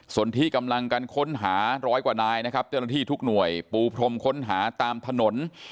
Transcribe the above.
ส่วนที่กำลังกันค้นหาร้อยกว่านายนะครับเจ้าหน้าที่ทุกหน่วยปูพรมค้นหาตามถนน